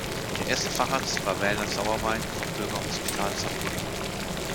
Der erste Facharzt war Werner Sauerwein vom Bürgerhospital Saarbrücken.